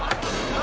何？